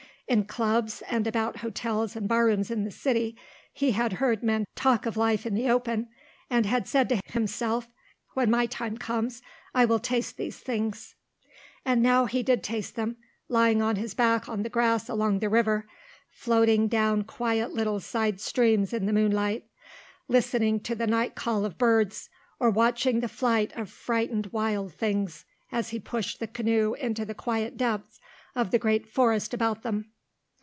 In clubs, and about hotels and barrooms in the city, he had heard men talk of life in the open, and had said to himself, "When my time comes I will taste these things." And now he did taste them, lying on his back on the grass along the river, floating down quiet little side streams in the moonlight, listening to the night call of birds, or watching the flight of frightened wild things as he pushed the canoe into the quiet depths of the great forest about them.